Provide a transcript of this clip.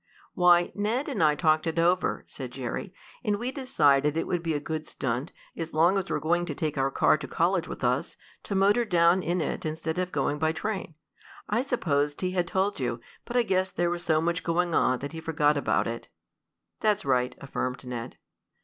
"Why, Ned and I talked it over," said Jerry, "and we decided it would be a good stunt, as long as we're going to take our car to college with us, to motor down in it instead of going by train. I supposed he had told you, but I guess there was so much going on that he forgot about it." "That's right," affirmed Ned.